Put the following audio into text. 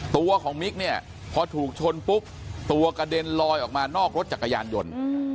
ตัวของมิกเนี่ยพอถูกชนปุ๊บตัวกระเด็นลอยออกมานอกรถจักรยานยนต์